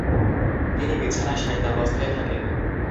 তিনি বিছানায় শায়িতাবস্থায় থাকেন।